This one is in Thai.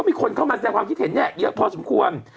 ก็มีคนเข้ามาแสดงความคิดเห็นนี่พอสมควร